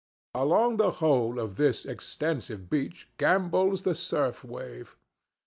Along the whole of this extensive beach gambols the surf wave.